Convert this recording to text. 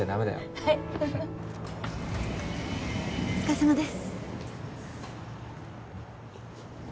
はいお疲れさまです